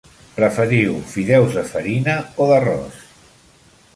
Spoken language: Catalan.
Preferiu fideus de farina o d'arròs?